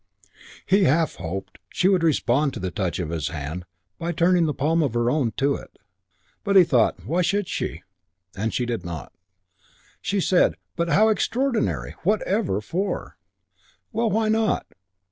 He half hoped she would respond to the touch of his hand by turning the palm of her own to it. But he thought, "Why should she?" and she did not. She said, "But how extraordinary! Whatever for?" "Well, why not?"